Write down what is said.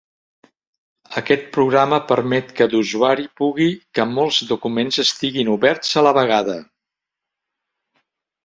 Aquest programa permet que d'usuari pugui que molts documents estiguin oberts a la vegada.